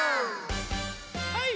はい。